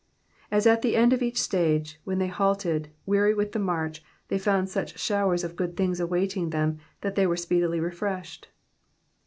''^ As at the end of each stage, when they halted, weary with the march, they found such showers of good things awaiting them that they were speedily refreshed.